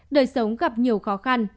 giống gặp nhiều khó khăn